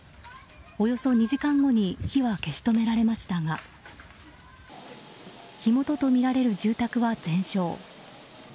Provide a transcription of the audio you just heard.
およそ２時間後に火は消し止められましたが火元とみられる住宅は全焼。